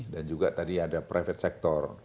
dan juga tadi ada private sector